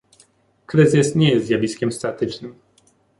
Kryzys nie jest zjawiskiem statycznym